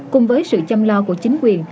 cùng với sự chăm lo của chính quyền